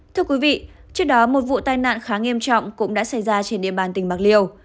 thưa quý vị trước đó một vụ tai nạn khá nghiêm trọng cũng đã xảy ra trên địa bàn tỉnh bạc liêu